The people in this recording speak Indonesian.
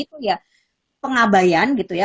itu ya pengabayan gitu ya